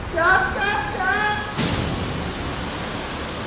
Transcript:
เชิดเชิดเชิด